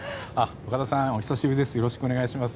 岡田さんお久しぶりです。